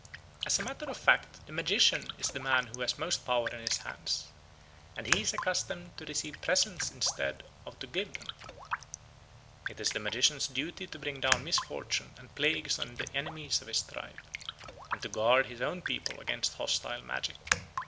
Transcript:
"As a matter of fact the magician is the man who has most power in his hands, and he is accustomed to receive presents instead of to give them." It is the magician's duty to bring down misfortune and plagues on the enemies of his tribe, and to guard his own people against hostile magic.